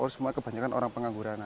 semua kebanyakan orang pengangguran